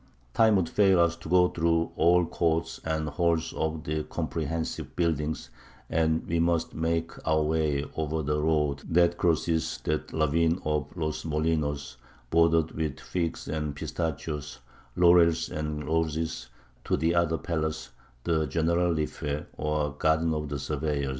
Time would fail us to go through all the courts and halls of the comprehensive building, and we must make our way over the road that crosses the ravine of Los Molinos, bordered with figs and pistachios, laurels and roses, to the other palace, the Generalife, or "Garden of the Surveyor."